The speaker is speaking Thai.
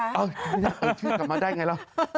เอ้าชื่อกลับมาได้อย่างไรหรอ